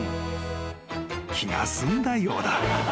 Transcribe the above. ［気が済んだようだ］